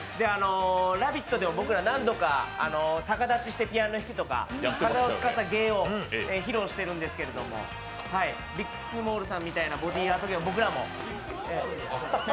「ラヴィット！」でも僕ら何度か逆立ちしてピアノ弾くとか、体を使った芸を披露しているんですけどビッグスモールさんみたいなボディアート芸を僕らも。